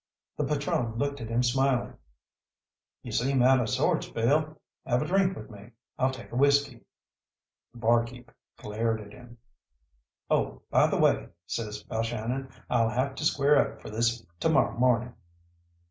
The patrone looked at him smiling. "You seem out of sorts, Bill; have a drink with me. I'll take a whisky." The bar keep glared at him. "Oh, by the way," says Balshannon, "I'll have to square up for this to morrow morning."